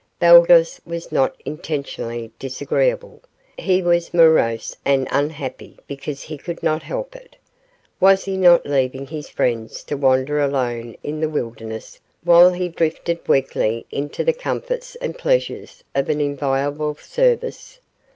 Baldos was not intentionally disagreeable; he was morose and unhappy because he could not help it. Was he not leaving his friends to wander alone in the wilderness while he drifted weakly into the comforts and pleasures of an enviable service?